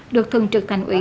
được thường trực thành ủy